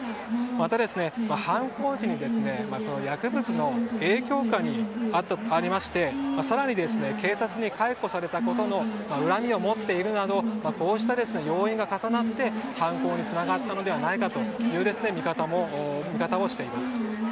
また、犯行時に薬物の影響下にありまして更に、警察に解雇されたことの恨みを持っているなどこうした要因が重なって犯行につながったのではないかという見方をしています。